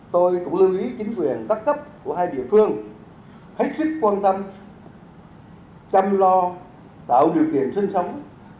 tôi cũng lưu ý chính quyền các cấp của hai địa phương hết sức quan tâm chăm lo tạo điều kiện sinh sống